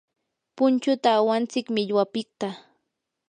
punchuta awantsik millwapiqta.